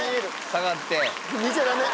下がって。